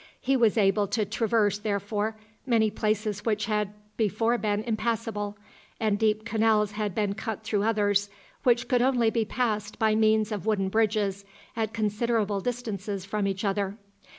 He was able to traverse, therefore, many places which had before been impassable, and deep canals had been cut through others, which could only be passed by means of wooden bridges at considerable distances from each other.